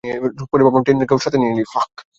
পরে ভাবলাম, ট্রেইনারকেও সাথে নেই।